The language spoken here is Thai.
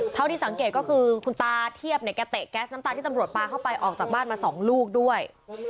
เท่าที่สังเกตก็คือคุณตาเทียบเนี่ยแกเตะแก๊สน้ำตาที่ตำรวจปลาเข้าไปออกจากบ้านมา๒ลูกด้วย